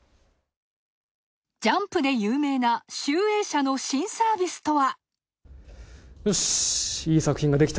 ジャンプで有名な集英社の新サービスとは。